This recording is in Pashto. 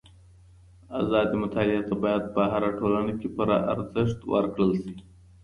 ازادي مطالعې ته بايد په هره ټولنه کي پوره ارزښت ورکړل سي.